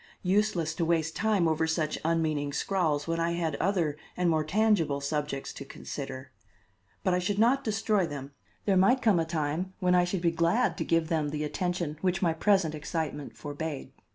Useless to waste time over such unmeaning scrawls when I had other and more tangible subjects to consider. But I should not destroy them. There might come a time when I should be glad to give them the attention which my present excitement forbade.